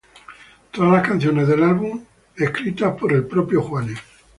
Todas las canciones del álbum fueron escritas por el propio Juanes.